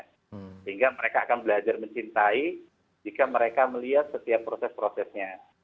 sehingga mereka akan belajar mencintai jika mereka melihat setiap proses prosesnya